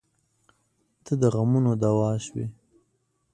• ته د غمونو دوا شوې.